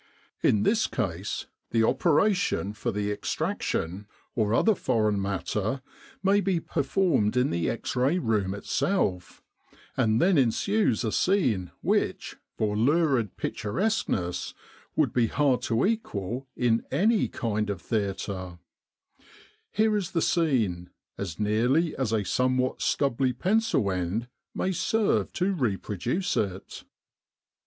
In this case the operation for the extraction 260 Military General Hospitals in Egypt of the bullet, or other foreign matter, may be performed in the X Ray room itself ; and then ensues a scene which, for lurid picturesqueness, would be hard to equal in any kind of theatre. Here is the scene, as nearly as a somewhat stubbly pencil end may serve to reproduce it.